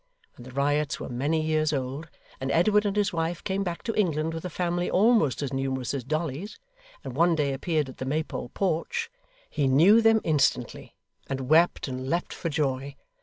When the Riots were many years old, and Edward and his wife came back to England with a family almost as numerous as Dolly's, and one day appeared at the Maypole porch, he knew them instantly, and wept and leaped for joy.